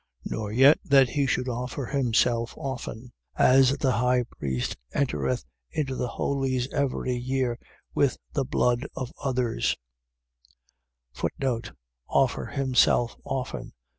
9:25. Nor yet that he should offer himself often, as the high priest entereth into the Holies every year with the blood of others: Offer himself often.